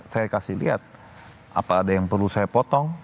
saya kasih lihat apa ada yang perlu saya potong